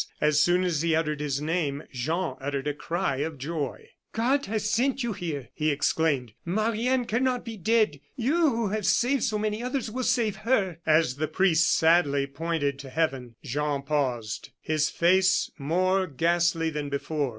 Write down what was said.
As soon as he uttered his name, Jean uttered a cry of joy. "God has sent you here!" he exclaimed. "Marie Anne cannot be dead! You, who have saved so many others, will save her." As the priest sadly pointed to heaven, Jean paused, his face more ghastly than before.